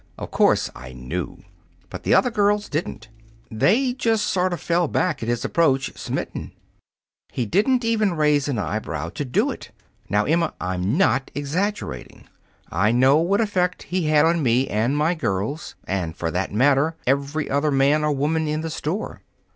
Of course, I knew. But the other girls didn't. They just sort of fell back at his approach, smitten. He didn't even raise an eyebrow to do it. Now, Emma, I'm not exaggerating. I know what effect he had on me and my girls, and, for that matter, every other man or woman in the store.